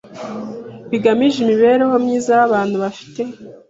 bigamije imibereho myiza y abantu bafite